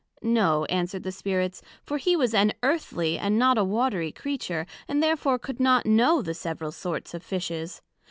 No, answered the Spirits, for he was an Earthly, and not a Watery Creature; and therefore could not know the several sorts of Fishes.